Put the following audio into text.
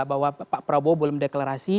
bahwa pak prabowo belum deklarasi